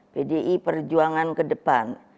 pdi perjuangan ke depan